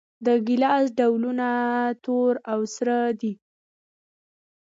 د ګیلاس ډولونه تور او سره دي.